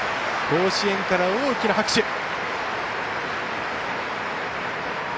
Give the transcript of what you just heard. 甲子園から大きな拍手。